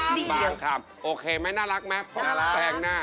เมื่อเมื่อเมื่อคุณไปดูคุณไปดู